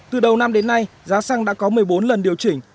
từ đầu năm đến nay giá xăng đã có một mươi bốn lần điều chỉnh